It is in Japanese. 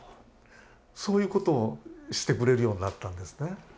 そういうことをしてくれるようになったんですね。